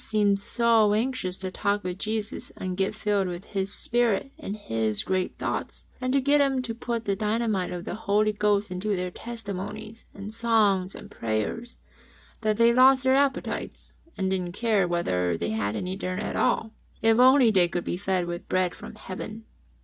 lOQ seemed so anxious to talk with Jesus and get filled with His Spirit, and His great thoughts, and to get Him to put the dynamite of the Holy Ghost into their testimonies and songs and prayers, that they lost their appetites, and didn^t care whether they had any dinner at all, if only they could be fed with bread from Heaven.